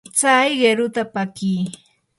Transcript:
tsay qiruta pakii.